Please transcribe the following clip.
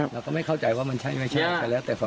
เราก็ไม่เข้าใจว่ามันใช่หรือไม่ใช่